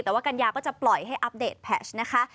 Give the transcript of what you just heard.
แต่ว่ากัญญาก็จะปล่อยให้อัปเดตแพชนะคะ